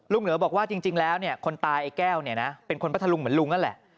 ลุงเหนอบอกว่าจริงแล้วคนตายแก้วเป็นคนปฏิลุงเหมือนลุงนั่นแหละ